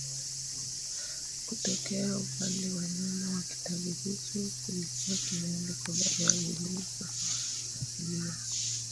Kutokea upande wa nyuma wa kitabu hicho kulikuwa kimeandikwa barua zilizosajiliwa